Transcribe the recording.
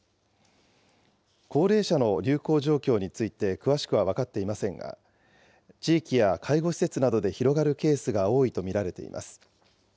高齢者の流行状況について、詳しくは分かっていませんが、地域や介護施設などで広がるケースが多いと見られています。